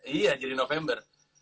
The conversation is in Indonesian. iya jadi november